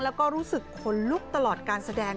แล้วก็รู้สึกขนลุกตลอดการแสดง